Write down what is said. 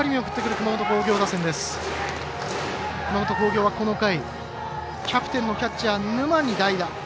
熊本工業はこの回キャプテンのキャッチャー沼に代打。